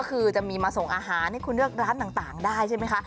ก็คือจะมีมาส่งอาหารให้คุณเลือกร้านต่างได้ใช่ไหมคะ